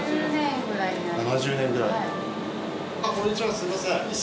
すみません。